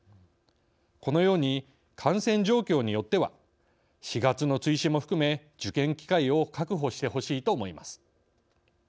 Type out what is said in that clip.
このように感染状況によっては４月の追試も含め受験機会を確保してほしいと思います。